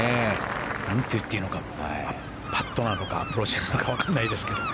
なんといっていいのかパットなのかアプローチなのかわからないですけど。